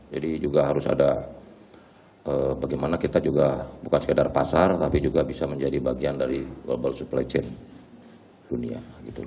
jadi juga harus ada bagaimana kita juga bukan sekedar pasar tapi juga bisa menjadi bagian dari global supply chain dunia